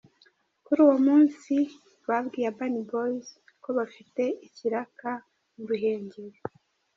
Kuri uwo munsi babwiye Urban Boyz ko bafite ikiraka mu Ruhengeri.